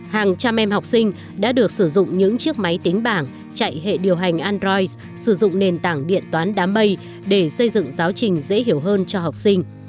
hàng trăm em học sinh đã được sử dụng những chiếc máy tính bảng chạy hệ điều hành android sử dụng nền tảng điện toán đám mây để xây dựng giáo trình dễ hiểu hơn cho học sinh